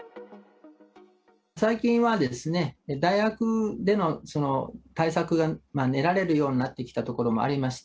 最近は、大学での対策が練られるようになってきたところもあります。